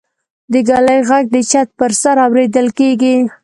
د ږلۍ غږ د چت پر سر اورېدل کېږي.